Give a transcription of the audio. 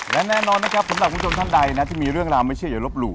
และแน่นอนนะครับสำหรับคุณผู้ชมท่านใดนะที่มีเรื่องราวไม่เชื่ออย่าลบหลู